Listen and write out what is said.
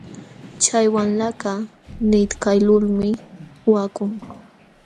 Chay wamlakaq nitkaqlulmi waqakun.